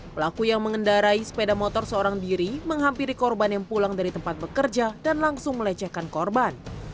pelaku yang mengendarai sepeda motor seorang diri menghampiri korban yang pulang dari tempat bekerja dan langsung melecehkan korban